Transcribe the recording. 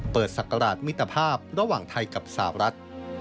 ศักราชมิตรภาพระหว่างไทยกับสาวรัฐ